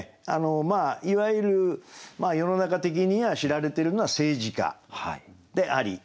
いわゆる世の中的には知られてるのは政治家であり物理学者。